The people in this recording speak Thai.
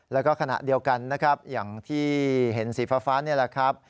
แล้วก็ขณะเดียวกันนะครับอย่างที่เห็นสีฟ้านี่แหละครับ